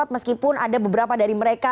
meskipun ada beberapa dari mereka